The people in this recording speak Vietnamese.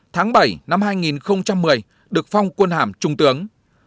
tháng bảy năm hai nghìn một mươi được phong quân hàm trung tướng